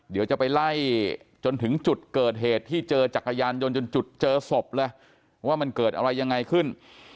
เดี๋ยวจะไปไล่จนถึงจุดเกิดเหตุที่เจอจักรยานยนต์จนจุดเจอศพเลยว่ามันเกิดอะไรยังไงขึ้น